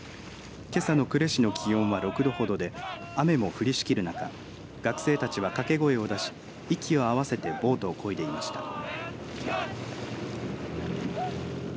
けさの呉市の気温は６度ほどで雨も降りしきる中学生たちは、かけ声を出し息を合わせてボートをこいでいきました。